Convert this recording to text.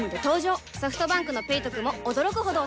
ソフトバンクの「ペイトク」も驚くほどおトク